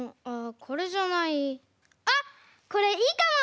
あっこれいいかも！